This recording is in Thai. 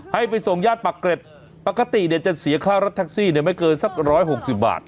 ให้ไปส่งญาติปากเกร็ดปกติเนี่ยจะเสียค่ารถแท็กซี่ไม่เกินสัก๑๖๐บาท